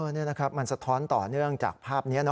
นี่นะครับมันสะท้อนต่อเนื่องจากภาพนี้